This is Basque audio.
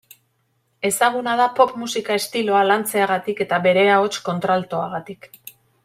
Ezaguna da pop musika estiloa lantzeagatik eta bere ahots kontraltoagatik.